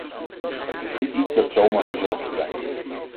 Het is niet iets dat zomaar vanzelf verdwijnt.